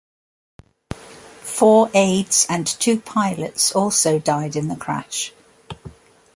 Four aides and two pilots also died in the crash.